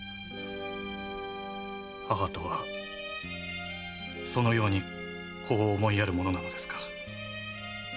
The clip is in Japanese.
母とはそのように子を思いやるものなのですか。